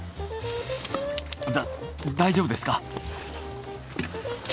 だ大丈夫ですか？